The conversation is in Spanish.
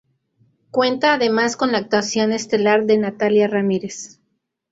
Cuenta además con la actuación estelar de Natalia Ramírez.